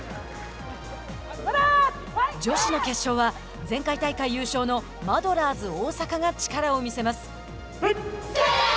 女子の決勝は前回大会優勝のマドラーズ大阪が力を見せます。